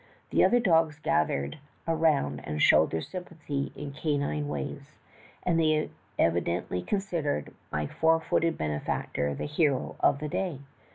The other dogs gathered around and showed their sympathy in canine ways, and they evidently considered my four footed benefactor the hero of the day.